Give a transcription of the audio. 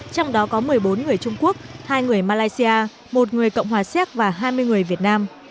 trong đó có một mươi bốn người trung quốc hai người malaysia một người cộng hòa xéc và hai mươi người việt nam